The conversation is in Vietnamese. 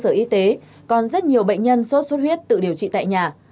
cơ sở y tế còn rất nhiều bệnh nhân sốt xuất huyết tự điều trị tại nhà